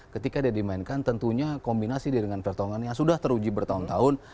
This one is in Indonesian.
ketika dia dimainkan tentunya kombinasi dia dengan pertolongan yang sudah teruji bertahun tahun